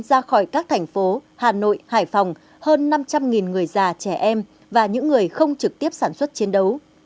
ra khỏi các thành phố hà nội hải phòng hơn năm trăm linh người già trẻ em và những người không trực tiếp sản xuất chiến đấu